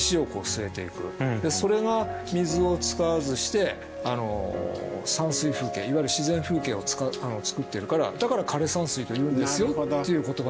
それが水を使わずして山水風景いわゆる自然風景をつくっているからだから枯山水というんですよっていう言葉で出てくるんですね。